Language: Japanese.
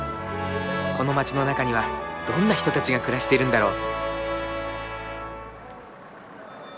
この街の中にはどんな人たちが暮らしているんだろう？